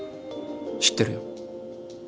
知ってるよ。